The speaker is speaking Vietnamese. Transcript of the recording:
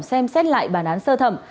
xem xét lại bản án sơ thẩm